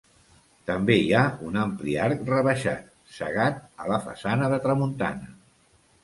També hi ha un ampli arc rebaixat, cegat, a la façana de tramuntana.